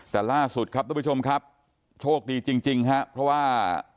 แต่ล่าสุดครับทุกผู้ชมครับโชคดีจริงครับเพราะว่า